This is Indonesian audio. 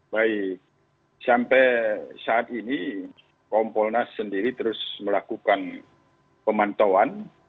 baik sampai saat ini kompolnas sendiri terus melakukan pemantauan